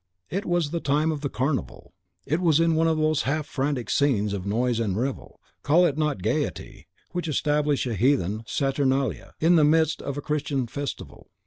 It was the time of the Carnival. It was in one of those half frantic scenes of noise and revel, call it not gayety, which establish a heathen saturnalia in the midst of a Christian festival.